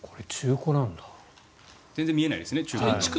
全然見えないですね。